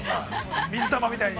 水玉みたいに。